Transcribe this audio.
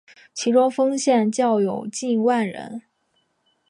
其中丰县教友近万人。